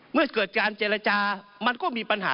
เมื่อเกิดการเจรจามันก็มีปัญหา